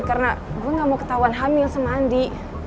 karena gue gak mau ketahuan hamil sama andi